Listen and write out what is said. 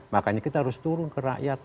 makanya kita harus turun ke rakyat